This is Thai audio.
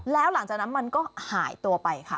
แล้วหลังจากนั้นมันก็หายตัวไปค่ะ